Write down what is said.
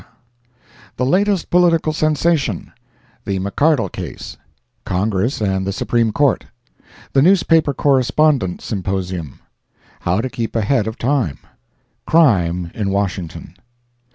] The Latest Political Sensation—The McCardle Case—Congress and the Supreme Court—The Newspaper Correspondent Symposium—How to Keep Ahead of Time—Crime in Washington.